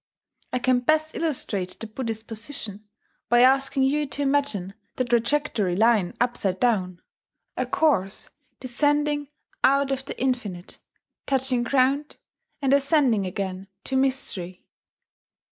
I can best illustrate the Buddhist position by asking you to imagine the trajectory line upside down, a course descending out of the infinite, touching ground, and ascending again to mystery....